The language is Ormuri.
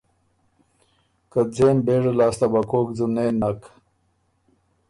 که ځېم بېژه لاسته وه کوک ځُنېن نَک۔